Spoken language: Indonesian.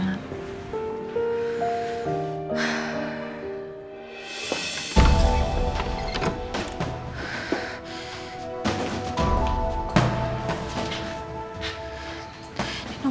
saya mau pergi ke ganteng